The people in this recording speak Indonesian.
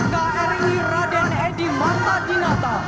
kri raden edi matadinata